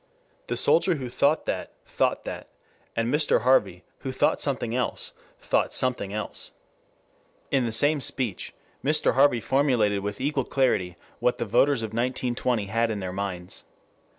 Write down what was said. The soldier who thought that thought that. And Mr. Harvey, who thought something else, thought something else. In the same speech Mr. Harvey formulated with equal clarity what the voters of 1920 had in their minds.